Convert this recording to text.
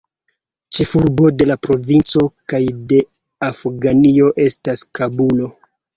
Ĉefurbo de la provinco kaj de Afganio estas Kabulo.